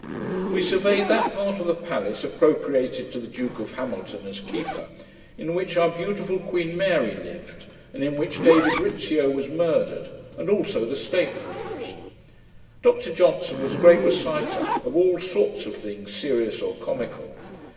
We surveyed that part of the palace appropriated to the Duke of Hamilton, as Keeper, in which our beautiful Queen Mary lived, and in which David Rizzio was murdered; and also the State Rooms. Dr Johnson was a great reciter of all sorts of things serious or comical.